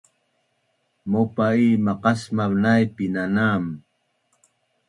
Maupa i maqasmav naip painanam